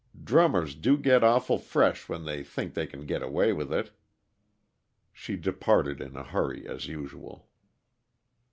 Drummers do get awful fresh when they think they can get away with it." She departed in a hurry, as usual.